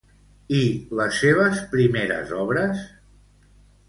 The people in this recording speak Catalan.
I les seves primeres obres?